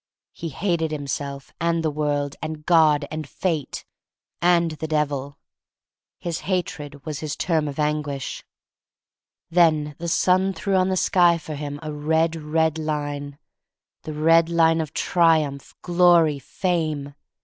He hated himself, and the world, and God, and Fate, and the 34 THE STORY OF MARY MAC LANE Devil. His hatred was his term of anguish. Then the sun threw on the sky for him a red, red line— the red line of Triumph, Glory, Fame!